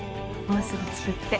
もうすぐ着くって。